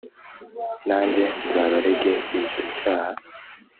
Nanjye nzabarege icyo cyaha,